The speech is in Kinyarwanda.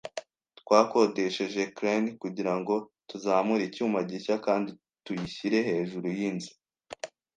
Twakodesheje crane kugirango tuzamure icyuma gishya kandi tuyishyire hejuru yinzu.